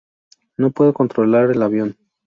No puedo controlar el avión.